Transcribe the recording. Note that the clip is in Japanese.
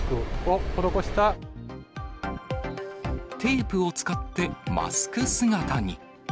テープを使って、マスク姿に。